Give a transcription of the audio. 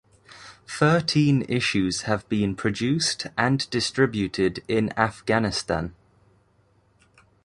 Thirteen issues have been produced and distributed in Afghanistan.